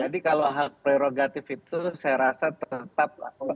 kalau hak prerogatif itu saya rasa tetap